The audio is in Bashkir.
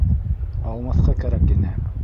Алмаҫҡа кәрәк ине.